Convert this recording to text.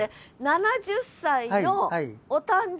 ７０歳のお誕生日？